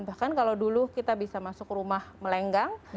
bahkan kalau dulu kita bisa masuk rumah melenggang